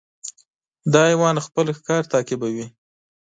دا حیوان خپل ښکار تعقیبوي.